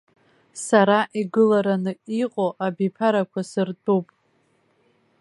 Сара игылараны иҟоу абиԥарақәа сыртәуп.